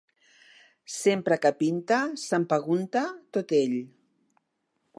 Sempre que pinta, s'empegunta tot ell.